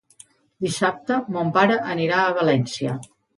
Dissabte mon pare anirà a València.